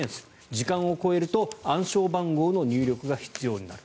時間を超えると暗証番号の入力が必要になる。